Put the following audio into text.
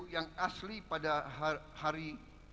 yang asli pada hari